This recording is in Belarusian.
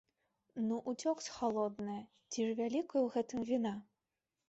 Ну уцёк з халоднае, ці ж вялікая ў гэтым віна!